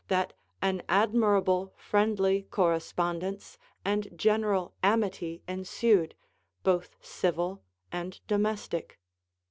that an admirable friendly correspondence and general amity ensued, both civil and domestic.